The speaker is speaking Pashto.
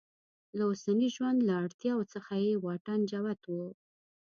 له اوسني ژوند له اړتیاوو څخه یې واټن جوت و.